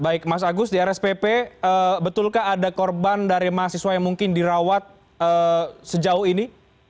baik mas agus di rspp betulkah ada korban dari mahasiswa yang mungkin dirawat sejauh ini